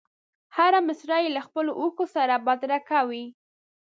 هره مسره یې له خپلو اوښکو سره بدرګه وي.